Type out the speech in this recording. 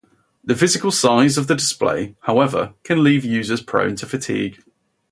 The physical size of the display, however, can leave users prone to fatigue.